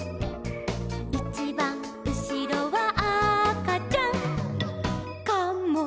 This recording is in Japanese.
「いちばんうしろはあかちゃん」「カモかもね」